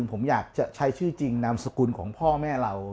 ผมอยากจะใช้ชื่อจริงนามสกุลของพ่อแม่เรา